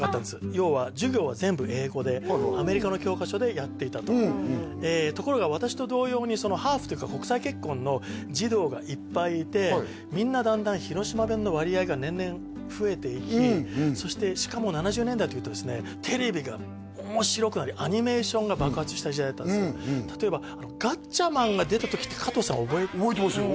要は授業は全部英語でアメリカの教科書でやっていたとところが私と同様にハーフというか国際結婚の児童がいっぱいいてみんなだんだん広島弁の割合が年々増えていきそしてしかも７０年代といったらですね例えば「ガッチャマン」が出た時って加藤さん覚えて覚えてますよ